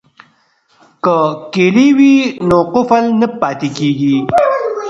که کیلي وي نو قفل نه پاتیږي.